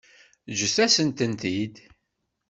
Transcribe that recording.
Ǧǧet-asen-tent-id.